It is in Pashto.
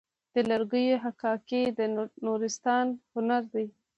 د لرګیو حکاکي د نورستان هنر دی.